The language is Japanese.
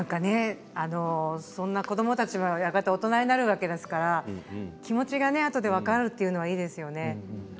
そんな子どもたちもやがて大人になるわけですから気持ちがあとで分かるというのはいいですよね。